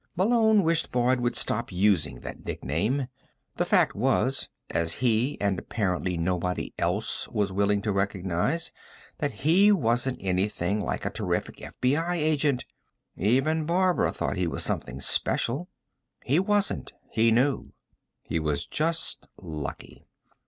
Malone wished Boyd would stop using that nickname. The fact was as he, and apparently nobody else, was willing to recognize that he wasn't anything like a really terrific FBI agent. Even Barbara thought he was something special. He wasn't, he knew. He was just lucky.